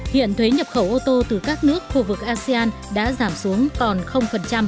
hiện thuế nhập khẩu ô tô từ các nước khu vực asean đã giảm xuống còn